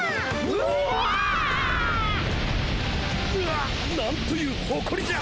ぬおっなんというほこりじゃ！